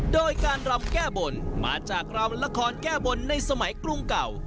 โดยการรำแก้บนมาจากรำละครแก้บนในสมัยกรุงเก่า